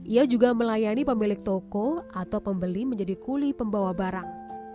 ia juga melayani pemilik toko atau pembeli menjadi kuli pembawa barang